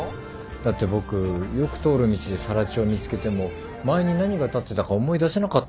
だって僕よく通る道でさら地を見つけても前に何が立ってたか思い出せなかったりするんですよ。